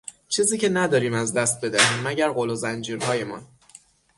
چیزی که نداریم از دست بدهیم مگر غل و زنجیرهایمان.